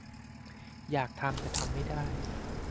อยากทำ แต่ทำไม่ได้